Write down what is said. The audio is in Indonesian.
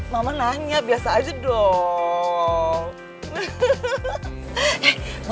mama nanya biasa aja dong